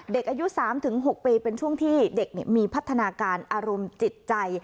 เด็กอายุ๓๖ปีเป็นช่วงที่เด็กมีพัฒนาการอารมณ์จิตใจ